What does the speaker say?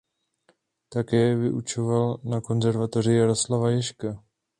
Také vyučoval na Konzervatoři Jaroslava Ježka.